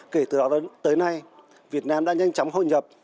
kể từ đó tới nay việt nam đã nhanh chóng hội nhập